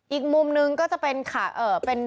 อีกมุมนึงจะเป็นมหลังที่สามีเนี่ยขับรถไปที่